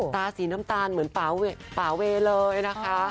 ตาสีน้ำตาลเหมือนป่าเวเลยนะคะ